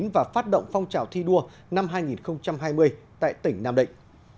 và phát động phong trào thi đua năm hai nghìn hai mươi tại tỉnh nam định